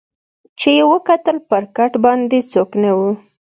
چي یې وکتل پر کټ باندي څوک نه وو